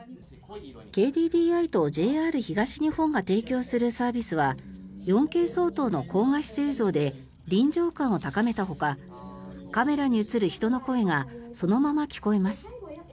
ＫＤＤＩとＪＲ東日本が提供するサービスは４Ｋ相当の高画質映像で臨場感を高めたほかカメラに映る人の声がそのまま聞こえます。